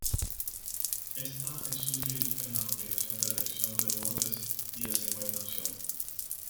Esta es útil en las aplicaciones de detección de bordes y de segmentación.